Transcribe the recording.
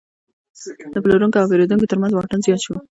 د پلورونکو او پیرودونکو ترمنځ واټن زیات شو.